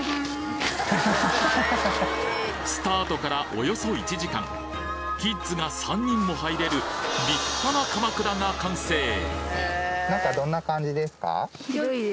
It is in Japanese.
スタートからおよそ１時間キッズが３人も入れる立派な広い？